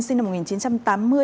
sinh năm một nghìn chín trăm tám mươi